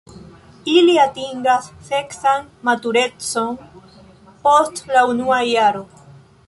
Ili atingas seksan maturecon post la unua jaro.